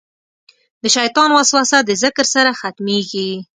د شیطان وسوسه د ذکر سره ختمېږي.